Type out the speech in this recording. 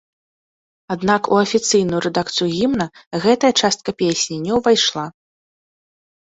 Аднак у афіцыйную рэдакцыю гімна гэтая частка песні не ўвайшла.